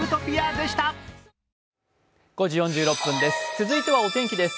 続いてはお天気です。